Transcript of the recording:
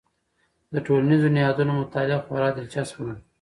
د ټولنیزو نهادونو مطالعه خورا دلچسپ ده.